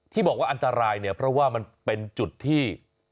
ที่บอกว่าอันตรายเนี่ยเพราะว่ามันเป็นจุดที่